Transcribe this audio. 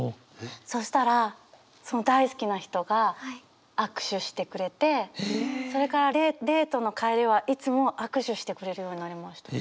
そしたらその大好きな人が握手してくれてそれからデートの帰りはいつも握手してくれるようになりました。